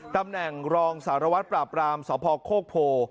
ตำแหน่งรองสารวัตรปราบรามสพโคกโพ